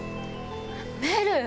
める！